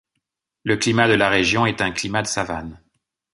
Le climat de la région est un climat de savane.